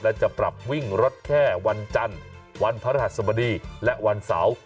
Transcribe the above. และจะปรับวิ่งรถแค่วันจันทร์วันพระรหัสบดีและวันเสาร์